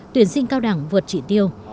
tuyển sinh cao đẳng vượt trị tiêu